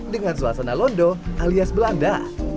dengan suasana londo alias belanda